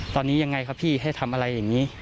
ตอนนี้ยังไงครับพี่ให้ทำอะไรอย่างนี้